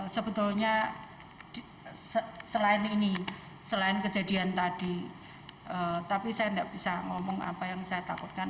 sebetulnya selain ini selain kejadian tadi tapi saya tidak bisa ngomong apa yang saya takutkan